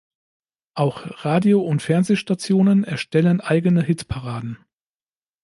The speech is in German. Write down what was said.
Auch Radio- und Fernsehstationen erstellen eigene Hitparaden.